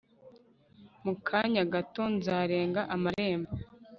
mu kanya gato nzarenga amarembo